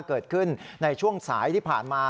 เกิดขึ้นในช่วงสายที่ผ่านมา